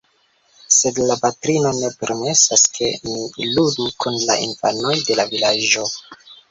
Sed la patrino ne permesas, ke mi ludu kun la infanoj de la vilaĝo.